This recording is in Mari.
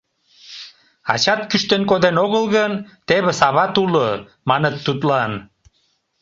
— Ачат кӱштен коден огыл гын, тевыс, ават уло, — маныт тудлан.